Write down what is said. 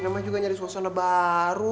namanya juga nyari suasana baru